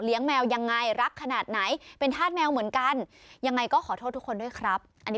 คือดูหน้าก็ดูไม่ออกว่าอารมณ์ไหนไง